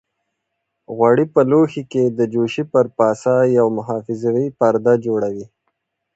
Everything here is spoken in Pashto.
غوړي په لوښي کې د جوشې پر پاسه یو محافظوي پرده جوړوي.